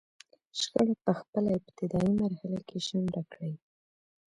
شخړه په خپله ابتدايي مرحله کې شنډه کړي.